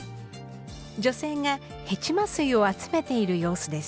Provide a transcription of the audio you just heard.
女性がヘチマ水を集めている様子です。